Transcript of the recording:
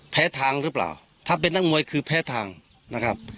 แพ้ทางหรือเปล่าถ้าเป็นนักมวยคือแพ้ทางนะครับ